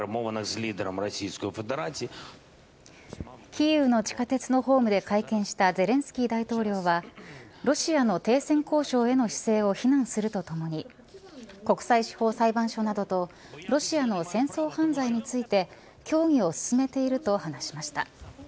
キーウの地下鉄のホームで会見したゼレンスキー大統領はロシアの停戦交渉への姿勢を非難するとともに国際司法裁判所などとロシアの戦争犯罪について協議を進めていると話しました。